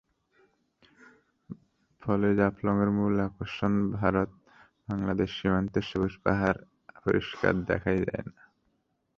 ফলে জাফলংয়ের মূল আকর্ষণ ভারত-বাংলাদেশ সীমান্তের সবুজ পাহাড় পরিষ্কার দেখাই যায় না।